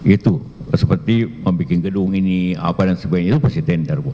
itu seperti membuat gedung ini apa dan sebagainya itu pasti tender bu